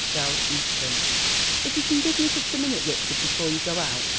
CHAPTER IV "If you can give me just a minute, Richard, before you go out."